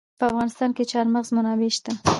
په افغانستان کې د چار مغز منابع شته.